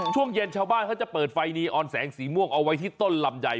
ช่วงเย็นชาวบ้านเขาจะเปิดไฟนีออนแสงสีม่วงเอาไว้ที่ต้นลำใหญ่